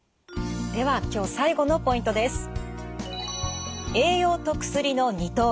では今日最後のポイントです。